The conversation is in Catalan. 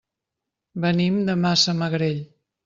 Venim de Massamagrell.